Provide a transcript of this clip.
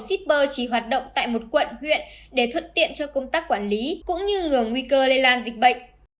shipper chỉ hoạt động tại một quận huyện để thuận tiện cho công tác quản lý cũng như ngừa nguy cơ lây lan dịch bệnh